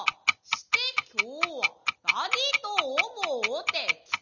して今日は何と思うて来た。